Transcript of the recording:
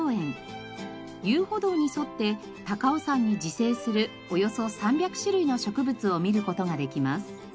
遊歩道に沿って高尾山に自生するおよそ３００種類の植物を見る事ができます。